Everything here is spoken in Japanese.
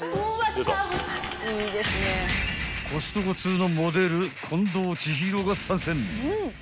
［コストコ通のモデル近藤千尋が参戦］